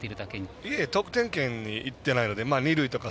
得点圏にいっていないのでね。